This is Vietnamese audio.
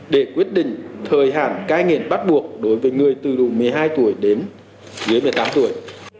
để quyết định thời hạn cai nghiện bắt buộc đối với người từ đủ một mươi hai tuổi đến dưới một mươi tám tuổi